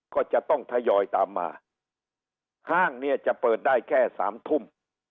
ก็จะต้องทยอยตามมาห้างเนี่ยจะเปิดได้แค่สามทุ่ม